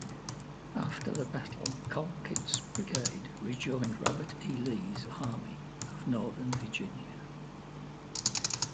After this battle, Colquitt's brigade rejoined Robert E. Lee's Army of Northern Virginia.